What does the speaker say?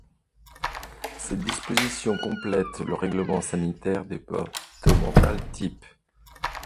Ces dispositions complètent le Règlement sanitaire départemental type.